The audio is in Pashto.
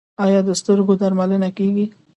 آیا د سترګو درملنه کیږي؟